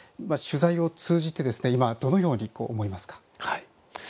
取材を通じて今どのように思いますか。